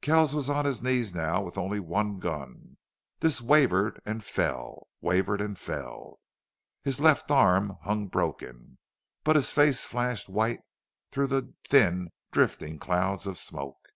Kells was on his knees now with only one gun. This wavered and fell, wavered and fell. His left arm hung broken. But his face flashed white through the thin, drifting clouds of smoke.